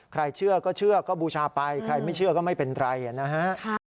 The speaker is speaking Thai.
ใครเชื่อก็เชื่อก็บูชาไปใครไม่เชื่อก็ไม่เป็นไรนะฮะ